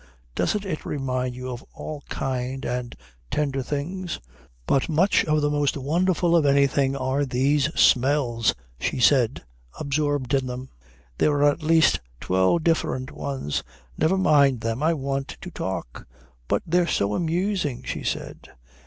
Doesn't it remind you of all kind and tender things?" "But much the most wonderful of anything are these smells," she said, absorbed in them. "There are at least twelve different ones." "Never mind them. I want to talk." "But they're so amusing," she said.